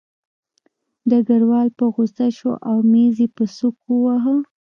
ډګروال په غوسه شو او مېز یې په سوک وواهه